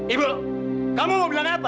ibu kamu mau bilang apa